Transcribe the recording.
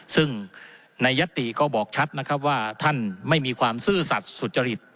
ซึ่งในยติก็บอกชัดนะครับว่าท่านไม่มีความซื่อสัตว์สุจริต